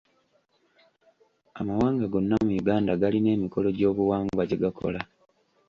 Amawanga gonna mu Uganda galina emikolo gy'obuwangwa gye gakola.